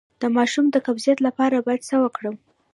د ماشوم د قبضیت لپاره باید څه وکړم؟